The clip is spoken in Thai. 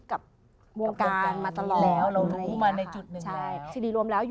คือ